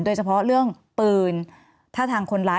โดยเฉพาะเรื่องปืนถ้าทางคนร้าย